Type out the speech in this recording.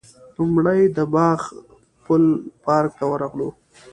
لومړی د باغ پل پارک ته ورغلو.